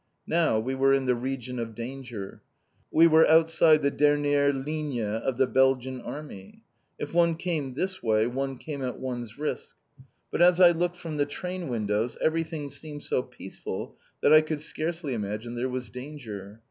Now we were in the region of danger. We were outside the dernière ligne of the Belgian Army. If one came this way one came at one's risk. But as I looked from the train windows everything seemed so peaceful that I could scarcely imagine there was danger.